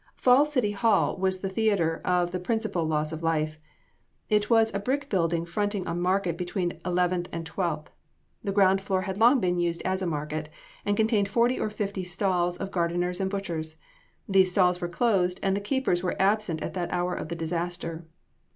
Falls City Hall was the theatre of the principal loss of life. It was a brick building fronting on Market between Eleventh and Twelfth. The ground floor had long been used as a market, and contained forty or fifty stalls of gardeners and butchers. These stalls were closed and the keepers were absent at the hour of the disaster.